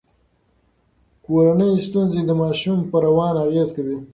کورنۍ ستونزې د ماشوم په روان اغیز کوي.